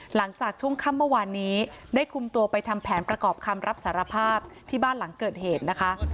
หลังจากช่วงค่ำเมื่อวานนี้ได้คุมตัวไปทำแผนประกอบคำรับสารภาพที่บ้านหลังเกิดเหตุนะคะ